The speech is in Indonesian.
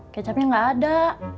kecapnya gak ada